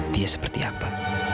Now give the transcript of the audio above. dia seperti apa